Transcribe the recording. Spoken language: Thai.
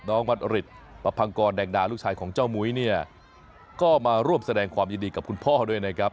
วัดริตประพังกรแดงดาลูกชายของเจ้ามุ้ยเนี่ยก็มาร่วมแสดงความยินดีกับคุณพ่อด้วยนะครับ